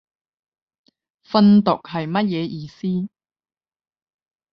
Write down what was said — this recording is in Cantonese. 訓讀係乜嘢意思